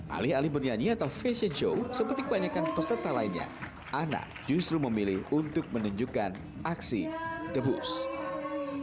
alih alih bernyanyi atau fashion show seperti kebanyakan peserta lainnya ana justru memilih untuk menunjukkan aksi the boost